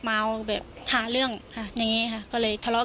พูดแค่นี้ก็คือก่ะ